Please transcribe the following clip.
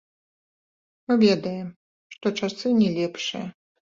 Мы ведаем, што часы не лепшыя.